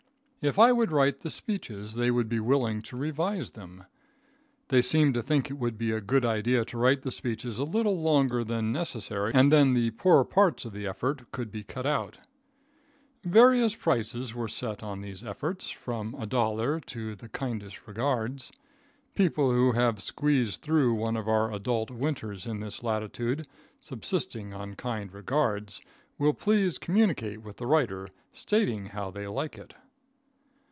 If I would write the speeches they would be willing to revise them. They seemed to think it would be a good idea to write the speeches a little longer than necessary and then the poorer parts of the effort could be cut out. Various prices were set on these efforts, from a dollar to "the kindest regards." People who have squeezed through one of our adult winters in this latitude, subsisting on kind regards, will please communicate with the writer, stating how they like it.